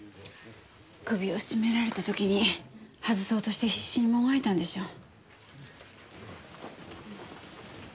首を絞められた時に外そうとして必死にもがいたんでしょう。